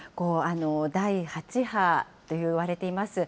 第８波といわれています、